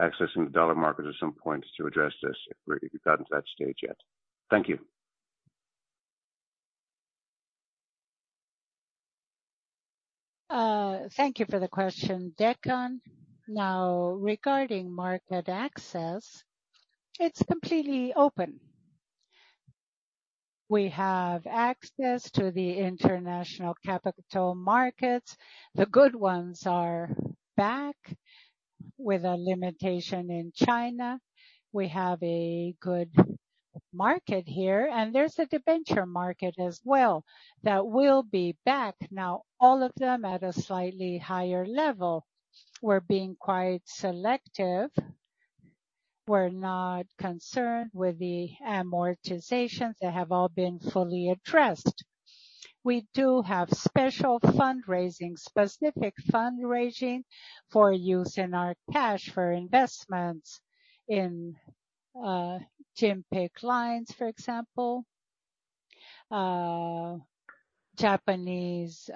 accessing the dollar market at some point to address this if you've gotten to that stage yet. Thank you. Thank you for the question, Declan. Regarding market access, it's completely open. We have access to the international capital markets. The good ones are back with a limitation in China. We have a good market here, there's a debenture market as well that will be back now, all of them at a slightly higher level. We're being quite selective. We're not concerned with the amortizations. They have all been fully addressed. We do have special fundraising, specific fundraising for use in our cash for investments in JMP lines, for example. Japanese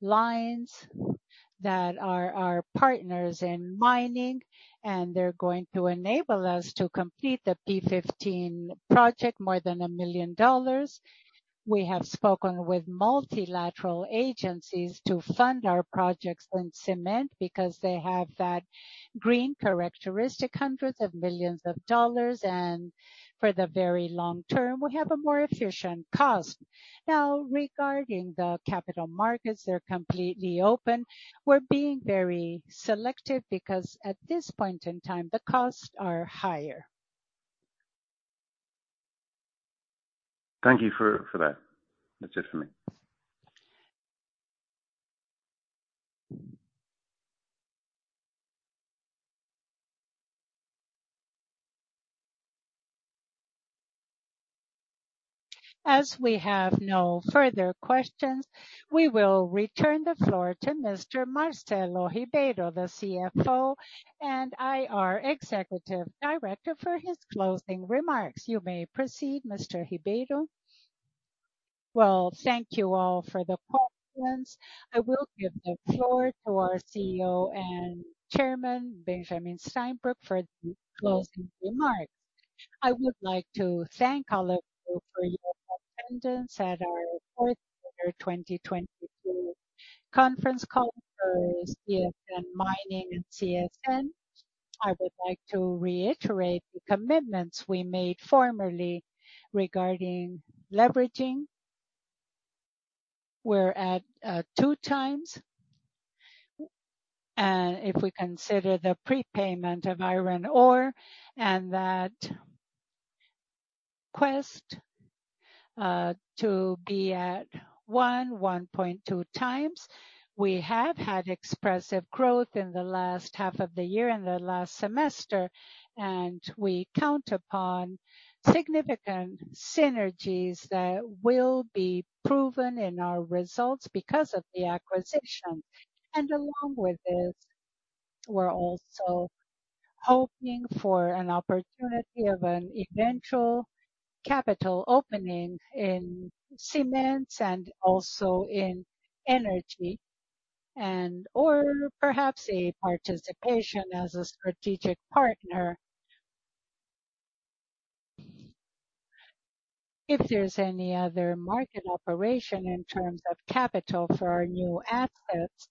lines that are our partners in mining, they're going to enable us to complete the P15 project, more than $1 million. We have spoken with multilateral agencies to fund our projects in cement because they have that green characteristic, hundreds of millions of dollars. For the very long term, we have a more efficient cost. Regarding the capital markets, they're completely open. We're being very selective because at this point in time, the costs are higher. Thank you for that. That's it for me. As we have no further questions, we will return the floor to Mr. Marcelo Ribeiro, the CFO and IR Executive Director, for his closing remarks. You may proceed, Mr. Ribeiro. Well, thank you all for the conference. I will give the floor to our CEO and Chairman, Benjamin Steinbruch, for the closing remarks. I would like to thank all of you for your attendance at our fourth quarter 2022 conference call for CSN Mining and CSN. I would like to reiterate the commitments we made formerly regarding leveraging. We're at 2 times, if we consider the prepayment of iron ore and that quest to be at 1.2 times. We have had expressive growth in the last half of the year and the last semester, and we count upon significant synergies that will be proven in our results because of the acquisition. Along with this, we're also hoping for an opportunity of an eventual capital opening in cements and also in energy and or perhaps a participation as a strategic partner. If there's any other market operation in terms of capital for our new assets,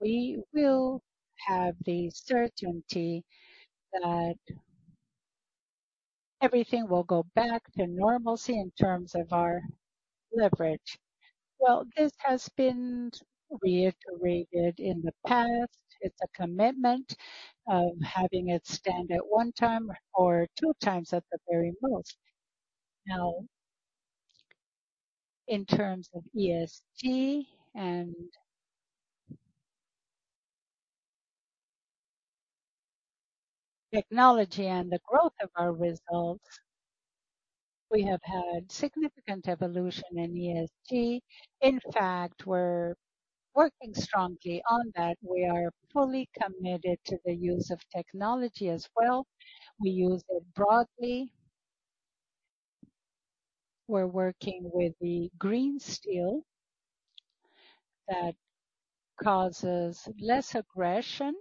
we will have the certainty that everything will go back to normalcy in terms of our leverage. Well, this has been reiterated in the past. It's a commitment of having it stand at one time or two times at the very most. Now, in terms of ESG and technology and the growth of our results, we have had significant evolution in ESG. In fact, we're working strongly on that. We are fully committed to the use of technology as well. We use it broadly. We're working with the green steel that causes less aggression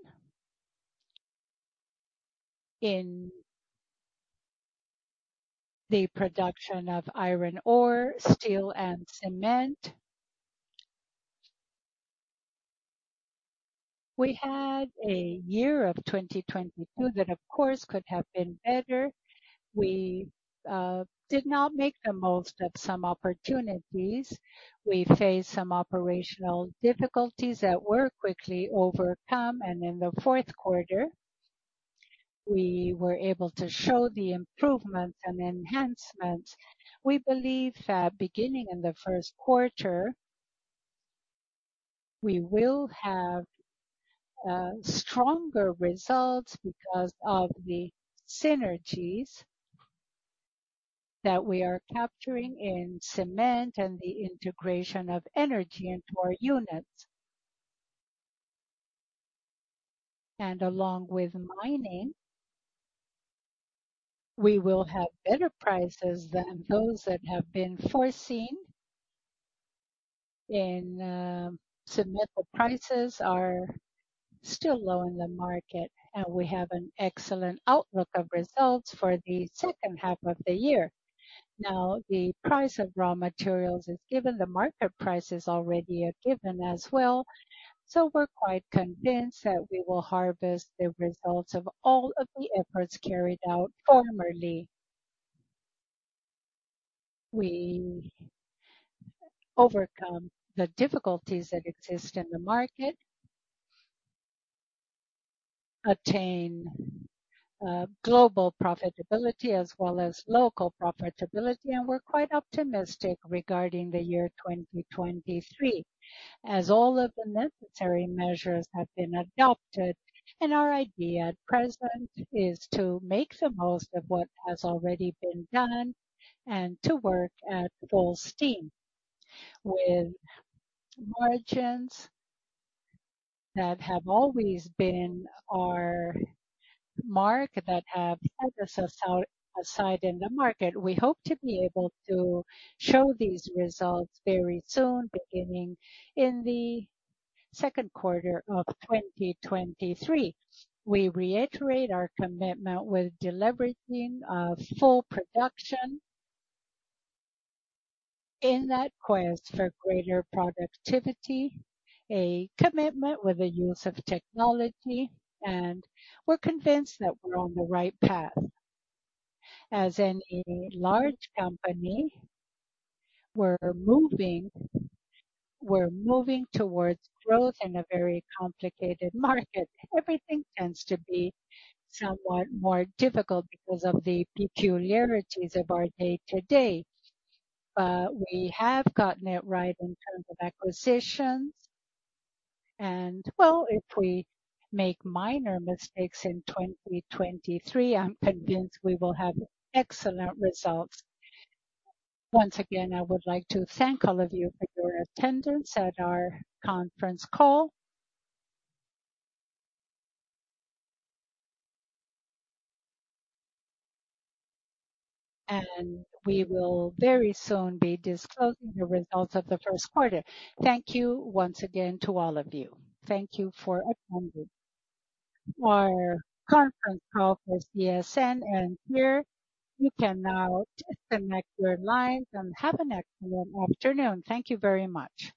in the production of iron ore, steel and cement. We had a year of 2022 that, of course, could have been better. We did not make the most of some opportunities. We faced some operational difficulties that were quickly overcome, and in the fourth quarter, we were able to show the improvements and enhancements. We believe that beginning in the first quarter, we will have stronger results because of the synergies that we are capturing in cement and the integration of energy into our units. Along with mining, we will have better prices than those that have been foreseen. Submit the prices are still low in the market, and we have an excellent outlook of results for the second half of the year. Now, the price of raw materials is given. The market prices already are given as well. We're quite convinced that we will harvest the results of all of the efforts carried out formerly. We overcome the difficulties that exist in the market, attain global profitability as well as local profitability, and we're quite optimistic regarding the year 2023, as all of the necessary measures have been adopted. Our idea at present is to make the most of what has already been done and to work at full steam with margins that have always been our mark, that have set us aside in the market. We hope to be able to show these results very soon, beginning in the second quarter of 2023. We reiterate our commitment with delivering full production in that quest for greater productivity, a commitment with the use of technology, and we're convinced that we're on the right path. As in a large company, we're moving towards growth in a very complicated market. Everything tends to be somewhat more difficult because of the peculiarities of our day to day. We have gotten it right in terms of acquisitions. Well, if we make minor mistakes in 2023, I'm convinced we will have excellent results. Once again, I would like to thank all of you for your attendance at our conference call. We will very soon be disclosing the results of the first quarter. Thank you once again to all of you. Thank you for attending. Our conference call for CSN ends here. You can now disconnect your lines, and have an excellent afternoon. Thank you very much.